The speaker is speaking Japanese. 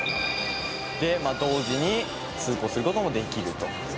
「同時に通行する事もできると。